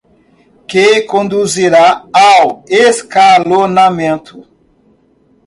Que conduzirá ao escalonamento